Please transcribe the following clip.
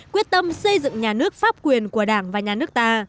quyết tâm xây dựng nhà nước pháp quyền của đảng và nhà nước ta